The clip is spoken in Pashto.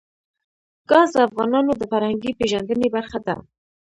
ګاز د افغانانو د فرهنګي پیژندنې برخه ده.